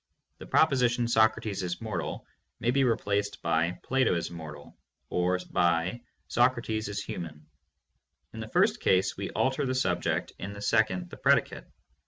The proposition "Socrates is mortal" may be replaced by "Plato is mortal" or by "Socrates is human"; in the first case we alter the subject, in the second the predicate.